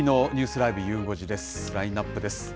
ラインナップです。